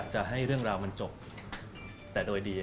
หรือว่าจะต้องมี